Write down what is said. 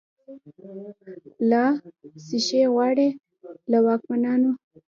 لا« څشي غواړی» له واکمنانو